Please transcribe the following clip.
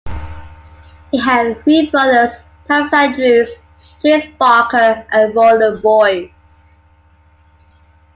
He had three brothers, Thomas Andrews, James Barker and Roland Boys.